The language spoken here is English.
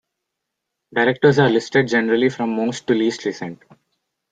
Directors are listed generally from most to least recent.